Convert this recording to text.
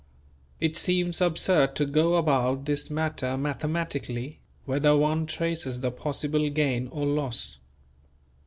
It seems absurd to go about this matter mathematically, whether one traces the possible gain or loss.